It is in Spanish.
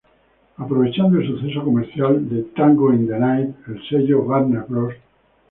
Aprovechando el suceso comercial de "Tango in the Night", el sello Warner Bros.